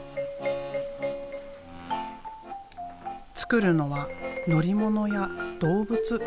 つくるのは乗り物や動物。